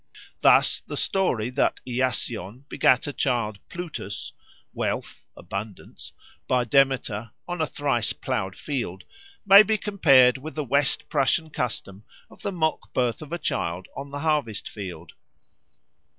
Thus the story that Iasion begat a child Plutus ( "wealth," "abundance") by Demeter on a thrice ploughed field, may be compared with the West Prussian custom of the mock birth of a child on the harvest field.